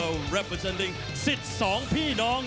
นี่คือสนุนแชมปียอน